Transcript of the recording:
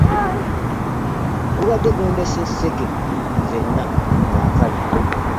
Gubadde gundese sseke nzenna nga nkalidde .